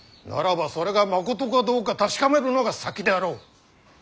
ならばそれがまことかどうか確かめるのが先であろう。